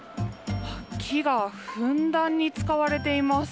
木がふんだんに使われています。